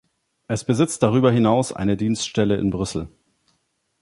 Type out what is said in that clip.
Es besitzt darüber hinaus eine Dienststelle in Brüssel.